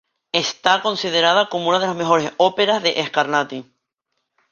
Está considerada como una de las mejores óperas de Scarlatti.